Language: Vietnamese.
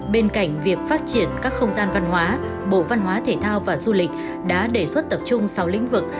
bên cạnh việc phát triển các không gian văn hóa bộ văn hóa thể thao và du lịch đã đề xuất tập trung sáu lĩnh vực